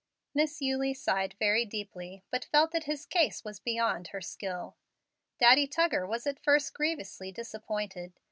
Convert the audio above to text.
Miss Eulie sighed very deeply, but felt that his case was beyond her skill. Daddy Tuggar was at first grievously disappointed.